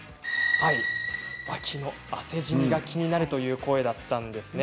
脇の汗じみ、気になるという声だったんです。